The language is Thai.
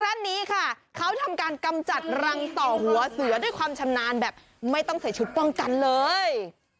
ท่านนี้ค่ะเขาทำการกำจัดรังต่อหัวเสือด้วยความชำนาญแบบไม่ต้องใส่ชุดป้องกันเลย